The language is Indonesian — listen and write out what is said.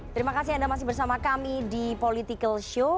terima kasih anda masih bersama kami di politikalshow